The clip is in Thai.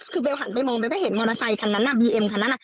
คือเบลหันไปมองเบลก็เห็นมอเตอร์ไซคันนั้นบีเอ็มคันนั้น